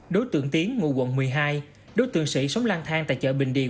đối tượng tiến ngụ quận một mươi hai đối tượng sĩ sống lang thang tại chợ bình điền